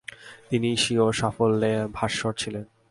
তিনি স্বীয় সাফল্যে ভাস্বর ছিলেন।